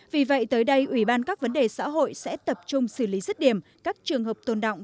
vì vậy tới đây ủy ban các vấn đề xã hội sẽ tập trung xử lý rứt điểm các trường hợp tồn động